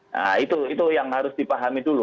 nah itu yang harus dipahami dulu